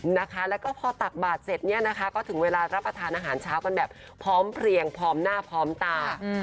แล้วก็พอตักบาทเสร็จเนี่ยนะคะก็ถึงเวลารับประทานอาหารเช้ากันแบบพร้อมเพลียงพร้อมหน้าพร้อมตา